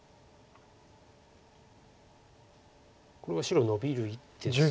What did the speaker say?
これは白ノビる一手です。